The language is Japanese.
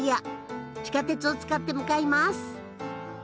地下鉄を使って向かいます。